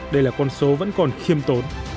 đây là con số vẫn còn khiêm tốn